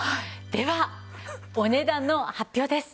ではお値段の発表です。